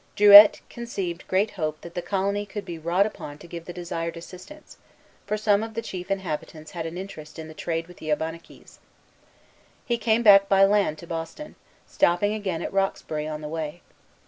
Druilletes conceived great hope that the colony could be wrought upon to give the desired assistance; for some of the chief inhabitants had an interest in the trade with the Abenaquis. He came back by land to Boston, stopping again at Roxbury on the way.